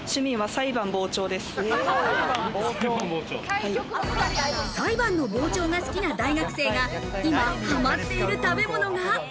裁判の傍聴が好きな大学生が、今ハマっている食べ物が。